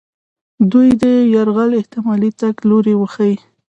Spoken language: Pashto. دوی دې د یرغل احتمالي تګ لوري وښیي.